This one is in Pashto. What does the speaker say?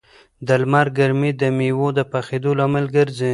د لمر ګرمي د مېوو د پخېدو لامل ګرځي.